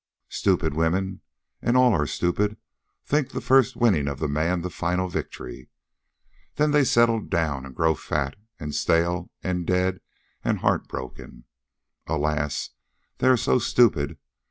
"Stupid women, and all are stupid, think the first winning of the man the final victory. Then they settle down and grow fat, and stale, and dead, and heartbroken. Alas, they are so stupid.